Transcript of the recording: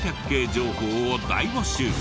情報を大募集！